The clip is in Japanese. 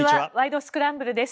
スクランブル」です。